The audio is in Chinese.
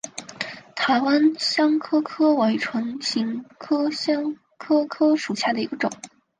台湾香科科为唇形科香科科属下的一个种。